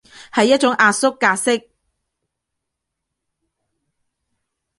係一種壓縮格式